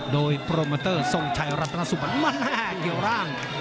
โดยโปรเมอเตอร์ทรงชัยรัตนสุปรรณมันแห่งเหลี่ยวร่าง